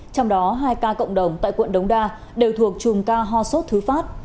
trong đó hai ca cộng đồng tại quận đống đa đều thuộc chùm ca ho sốt thứ phát